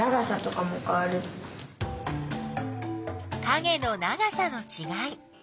かげの長さのちがい。